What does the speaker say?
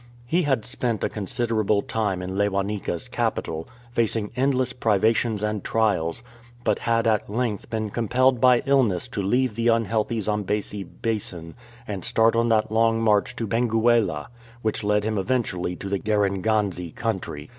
He had spent a considerable time in Lewanika'^s capital, facing endless privations and trials, but had at length been compelled by illness to leave the un healthy Zambesi basin and start on that long march to Benguela which led him eventually to the Garenganze country.